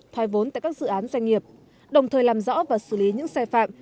thoai vốn tại các dự án doanh nghiệp đồng thời làm rõ và xử lý những xe phạm